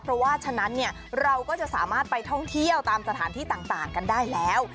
เพราะว่าฉะนั้นเราก็จะสามารถไปท่องเที่ยวตามสถานที่ต่างกันได้แล้ว